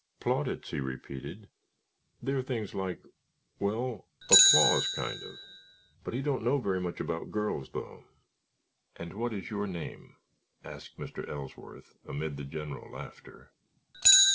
"Plaudits," he repeated; "they are things like—like—well, applause, kind of. But he don't know very much about girls, though." "And what is your name?" asked Mr. Ellsworth, amid the general laughter.